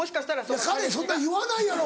いや彼そんな言わないやろ。